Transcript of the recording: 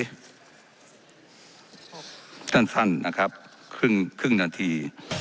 สั้นนะครับครึ่งนาที